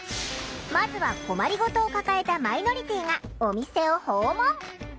まずは困り事を抱えたマイノリティーがお店を訪問。